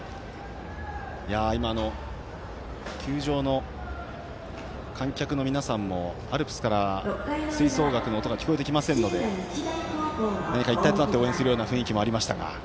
今の球場の観客の皆さんもアルプスから吹奏楽の音が聞こえてきませんので何か一体となって応援するような雰囲気もありましたが。